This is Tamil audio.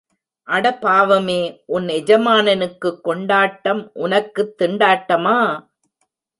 அட பாவமே உன் எஜமானனுக்குக் கொண்டாட்டம உனக்குத் திண்டாட்டமா?